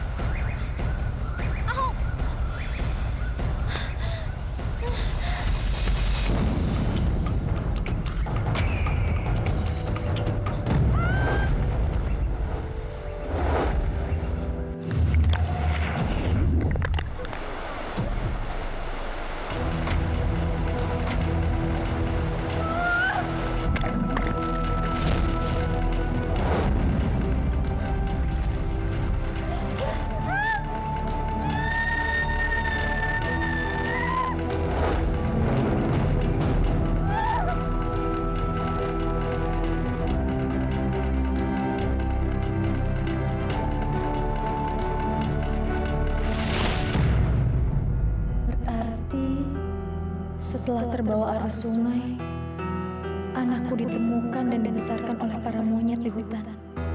berarti setelah terbawa arus sungai anakku ditemukan dan dibesarkan oleh para monyet di hutan